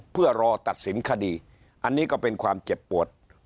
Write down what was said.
เพื่อรอตัดสินคดีอันนี้ก็เป็นความเจ็บปวด